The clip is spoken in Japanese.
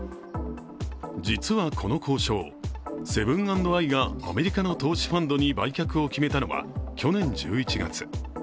実はこの交渉セブン＆アイがアメリカの投資ファンドに売却を決めたのは去年１１月。